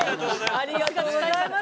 ありがとうございます。